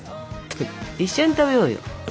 一緒に食べようよ。